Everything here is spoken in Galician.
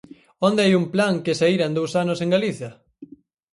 ¿Onde hai un plan que saíra en dous anos en Galicia?